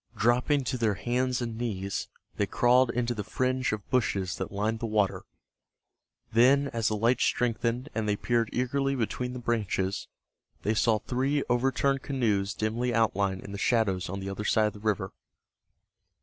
Dropping to their hands and knees, they crawled into the fringe of bushes that lined the water. Then, as the light strengthened, and they peered eagerly between the branches, they saw three overturned canoes dimly outlined in the shadows on the other side of the river.